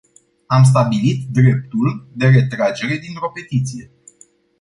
Am stabilit dreptul de retragere dintr-o petiție.